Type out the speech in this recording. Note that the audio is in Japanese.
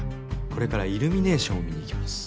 これからイルミネーションを見に行きます。